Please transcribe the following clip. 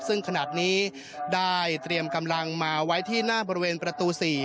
ซึ่งขนาดนี้ได้เตรียมกำลังมาไว้ที่หน้าบริเวณประตู๔